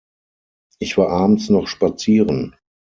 Ich war Abends noch spazieren.